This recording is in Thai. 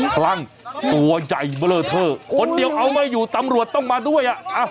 คลั่งตัวใหญ่เบลอเทอร์คนเดียวเอาไม่อยู่ตำรวจต้องมาด้วยอ่ะ